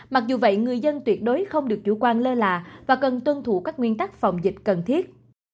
mặc dù vậy người dân tuyệt đối không được chủ quan lơ là và cần tuân thủ các nguyên tắc phòng dịch cần thiết